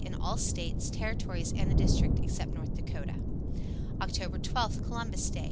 In all States, Territories and the District. except N. Dak. Oct. 12, Columbus Day.